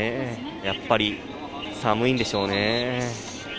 やっぱり、寒いんでしょうね。